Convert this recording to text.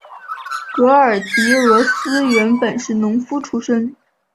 戈耳狄俄斯原本是农夫出身。